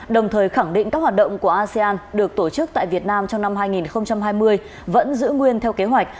đồng thời khẳng định các hoạt động của asean được tổ chức tại việt nam trong năm hai nghìn hai mươi vẫn giữ nguyên theo kế hoạch